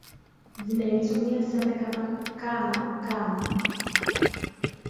zinaitumia sana kama kama kama kama